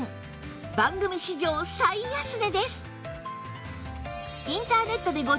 番組史上最安値です